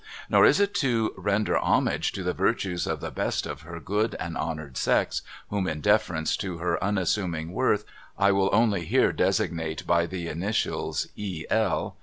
Nor is it to render homage to the virtues of the best of her good and honoured sex — whom, in deference to her unassuming worth, I will only here designate by the initials E. L.